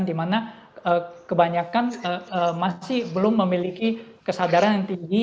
dimana kebanyakan masih belum memiliki kesadaran yang tinggi